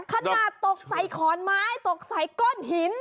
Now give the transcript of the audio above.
ขนาดตกใส่ขอนไม้ตกใส่ก้อนหิน